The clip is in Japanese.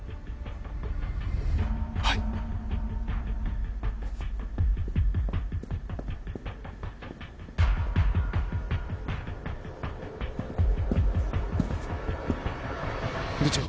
はい部長